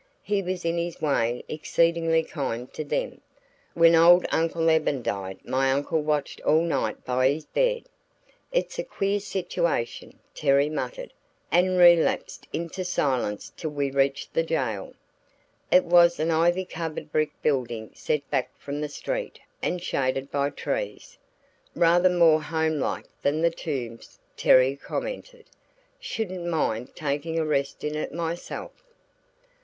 He was in his way exceedingly kind to them. When old Uncle Eben died my uncle watched all night by his bed." "It's a queer situation," Terry muttered, and relapsed into silence till we reached the jail. It was an ivy covered brick building set back from the street and shaded by trees. "Rather more home like than the Tombs," Terry commented. "Shouldn't mind taking a rest in it myself."